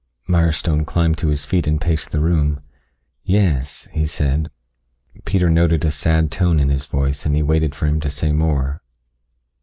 Mirestone climbed to his feet and paced the room. "Yes," he said. Peter noted a sad tone in his voice, and he waited for him to say more.